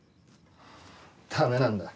駄目なんだ。